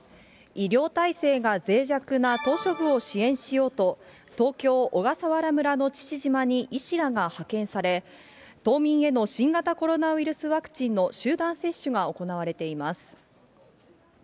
医療体制がぜい弱な島しょ部を支援しようと、東京・小笠原村の父島に医師らが派遣され、島民への新型コロナウイルスワクチンの集団接種が行われています。